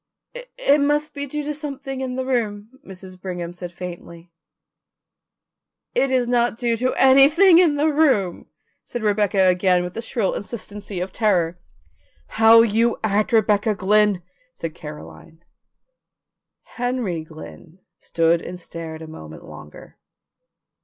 "It must be due to something in the room," Mrs. Brigham said faintly. "It is not due to anything in the room," said Rebecca again with the shrill insistency of terror. "How you act, Rebecca Glynn," said Caroline. Henry Glynn stood and stared a moment longer.